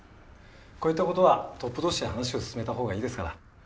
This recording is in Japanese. こういった事はトップ同士で話を進めたほうがいいですから。